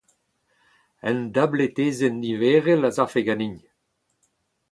Un dabletezenn niverel a zafe ganin.